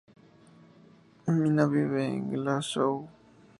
Mina vive en Glasgow.